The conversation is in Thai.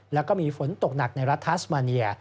แล้วก็มีฝนตกหนักในรัฐทัสมาเนีย